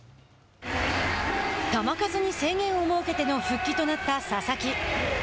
球数に制限を設けての復帰となった佐々木。